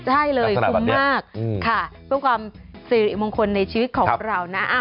ใช่เลยคุ้มมากค่ะเพื่อความสิริมงคลในชีวิตของเรานะ